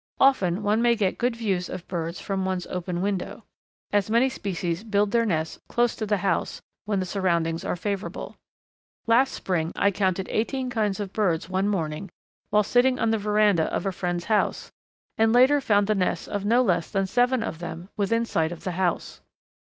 Often one may get good views of birds from one's open window, as many species build their nests close to the house when the surroundings are favourable. Last spring I counted eighteen kinds of birds one morning while sitting on the veranda of a friend's house, and later found the nests of no less than seven of them within sight of the house.